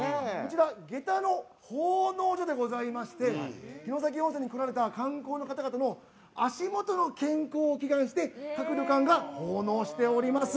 下駄の奉納所でございまして城崎温泉に来られた観光客の足元の健康を祈願して各旅館が奉納しております。